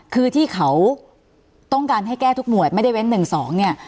คือที่เขาต้องการให้แก้ทุกหวดไม่ได้เว้น๑๒เนี่ย